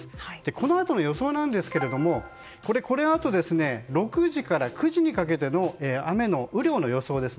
このあとの予想なんですがこのあと６時から９時にかけての雨量の予想です。